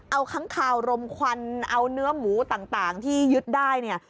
เอาค้างคาวรมควันเอาเนื้อหมูต่างที่ยึดได้เนี่ย